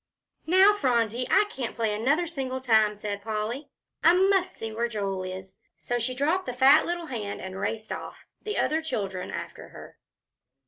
"Now, Phronsie, I can't play another single time," said Polly. "I must see where Joel is." So she dropped the fat little hand and raced off, the other children after her.